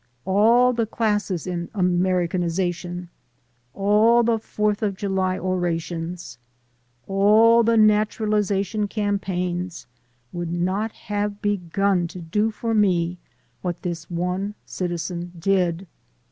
All the classes in Americanization, all the Fourth of July orations, all the naturalization campaigns, would not have begun to do for me what this one citizen did.